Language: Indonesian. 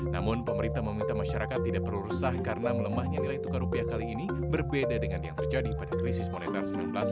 namun pemerintah meminta masyarakat tidak perlu resah karena melemahnya nilai tukar rupiah kali ini berbeda dengan yang terjadi pada krisis moneter seribu sembilan ratus sembilan puluh